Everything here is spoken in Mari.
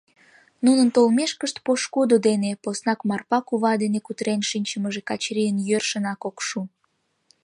Нунын толмешкышт пошкудо дене, поснак Марпа кува дене, кутырен шинчымыже Качырийын йӧршынак ок шу.